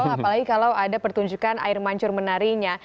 apalagi kalau ada pertunjukan air mancur menarinya